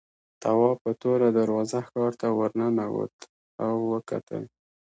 تواب په توره دروازه ښار ته ورننوت او وکتل.